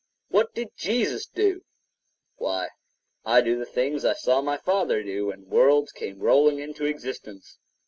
What did Jesus do? Why; I do the things I saw my Father do when worlds come rolling into existence.